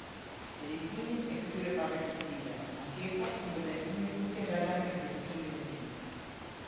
Eliminimin e këtyre parregullsive: Ankesa kundër vendimit nuk e ndalon ekzekutimin e tij.